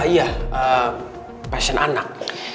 iya pasien anak